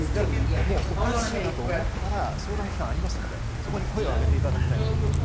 もうおかしいなと思ったら相談機関ありますんでそこに声を上げていただきたいなと思いますね。